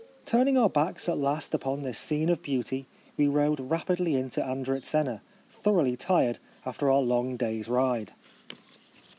Turning our backs at last upon this scene of beauty we rode rapidly into Andritzena, thoroughly tired after our long day's ride.